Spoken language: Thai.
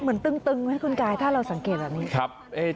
มันตึ้งนะคุณกายถ้าเราสังเกตแบบนี้